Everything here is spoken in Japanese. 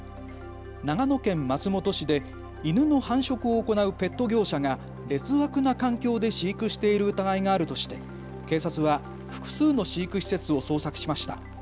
長野県松本市で犬の繁殖を行うペット業者が、劣悪な環境で飼育している疑いがあるとして警察は複数の飼育施設を捜索しました。